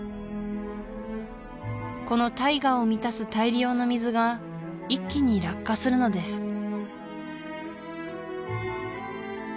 この大河を満たす大量の水が一気に落下するのです